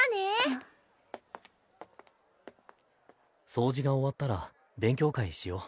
掃除が終わったら勉強会しよう。